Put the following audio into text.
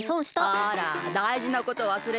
あらだいじなことわすれてない？